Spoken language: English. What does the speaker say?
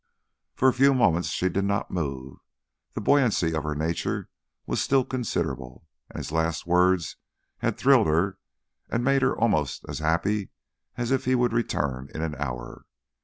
For a few moments she did not move. The buoyancy of her nature was still considerable, and his last words had thrilled her and made her almost as happy as if he would return in an hour.